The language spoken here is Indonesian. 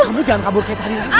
kamu jangan kabur kayak tadi lagi